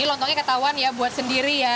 lontongnya ketahuan ya buat sendiri ya